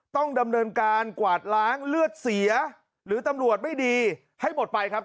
ต้องดำเนินการกวาดล้างเลือดเสียหรือตำรวจไม่ดีให้หมดไปครับ